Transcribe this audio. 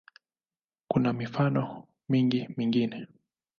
Kuna mifano mingi mingine.